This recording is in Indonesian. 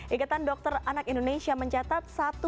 ikatan dokter anak indonesia mencatat